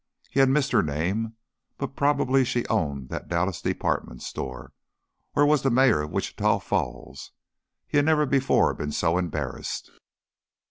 He had missed her name, but probably she owned that Dallas department store, or was the Mayor of Wichita Falls. He had never before been so embarrassed.